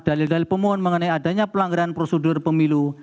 dalil dalil pemohon mengenai adanya pelanggaran prosedur pemilu